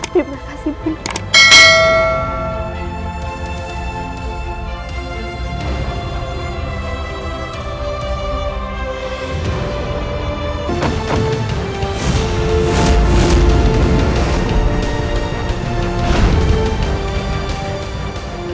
terima kasih ibu